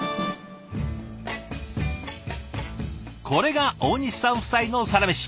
これが大西さん夫妻のサラメシ。